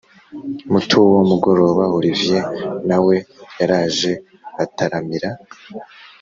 mutuwo mugoroba olivier nawe yaraje bataramira